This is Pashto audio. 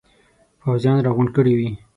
پوځیان را غونډ کړي وي.